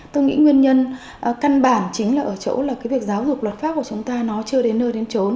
tôi nghĩ nguyên nhân căn bản chính là ở chỗ là cái việc giáo dục luật pháp của chúng ta nó chưa đến nơi đến trốn